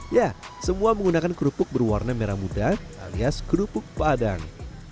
ya semua menggunakan kerupuk berwarna merah muda alias kerupuk padang